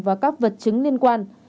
và các vật chứng liên quan